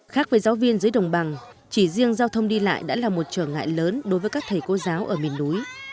khác với giáo viên dưới đồng bằng chỉ riêng giao thông đi lại đã là một trở ngại lớn đối với các thầy cô giáo ở miền núi